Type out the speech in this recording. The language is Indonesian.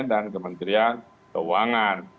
dan kementerian keuangan